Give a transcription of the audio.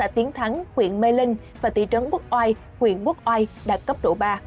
tiến thắng huyện mê linh và tỷ trấn quốc oai huyện quốc oai đạt cấp độ ba